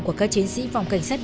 của các chiến sĩ phòng cảnh sát